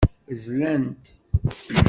Zlan-t.